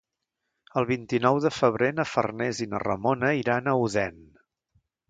El vint-i-nou de febrer na Farners i na Ramona iran a Odèn.